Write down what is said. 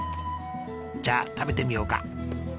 じゃあ食べてみようか！